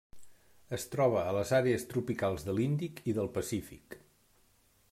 Es troba a les àrees tropicals de l'Índic i del Pacífic.